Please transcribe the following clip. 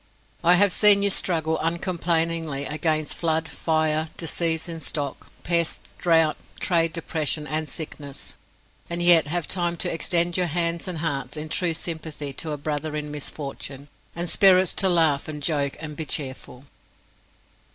I have seen you struggle uncomplainingly against flood, fire, disease in stock, pests, drought, trade depression, and sickness, and yet have time to extend your hands and hearts in true sympathy to a brother in misfortune, and spirits to laugh and joke and be cheerful.